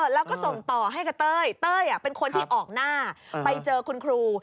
แล้วก็ส่งต่อให้กับเต้ยเต้ยเป็นคนที่ออกหน้าไปเจอคุณครู